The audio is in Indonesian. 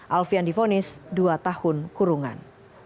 alfian difonis dua tahun kurungan